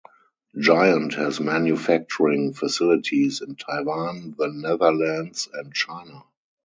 Giant has manufacturing facilities in Taiwan, the Netherlands, and China.